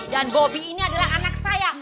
dan bobi ini adalah anak saya